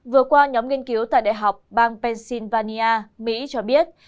vừa qua nhóm nghiên cứu tại đại học bang pennsylvania mỹ cho biết